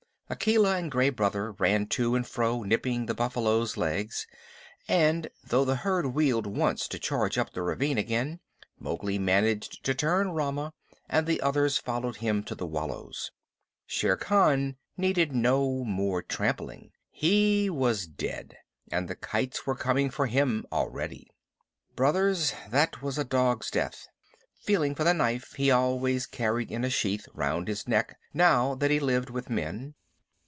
Akela and Gray Brother ran to and fro nipping the buffaloes' legs, and though the herd wheeled once to charge up the ravine again, Mowgli managed to turn Rama, and the others followed him to the wallows. Shere Khan needed no more trampling. He was dead, and the kites were coming for him already. "Brothers, that was a dog's death," said Mowgli, feeling for the knife he always carried in a sheath round his neck now that he lived with men.